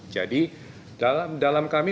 jadi dalam kami